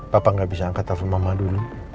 papa gak bisa angkat telepon mama dulu